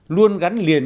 luôn gắn liền